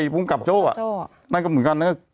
ผู้กลับโจ้อ่ะนั่นก็เหมือนกัน